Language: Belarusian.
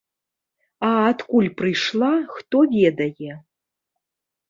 А адкуль прыйшла, хто ведае.